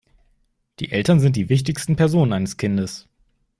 Die Eltern sind die wichtigsten Personen eines Kindes.